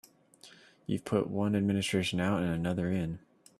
You've put one administration out and another in.